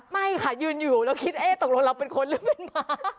ไม่ค่ะยืนอยู่แล้วคิดเอ๊ะตกลงเราเป็นคนหรือเป็นหมา